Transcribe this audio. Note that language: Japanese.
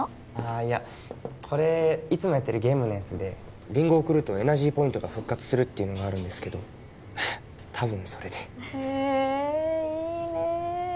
いやこれいつもやってるゲームのやつでリンゴを送るとエナジーポイントが復活するっていうのがあるんですけどたぶんそれでへえいいねえ